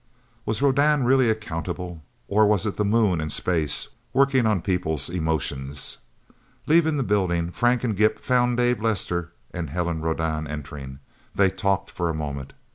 Was Rodan really accountable, or was it the Moon and space, working on people's emotions? Leaving the building, Frank and Gimp found Dave Lester and Helen Rodan entering. They talked for a moment.